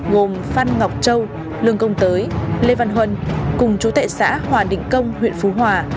gồm phan ngọc châu lương công tới lê văn huân cùng chú tệ xã hòa định công huyện phú hòa